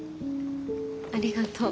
ありがとう。